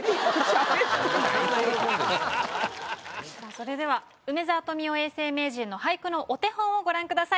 それでは梅沢富美男永世名人の俳句のお手本をご覧ください。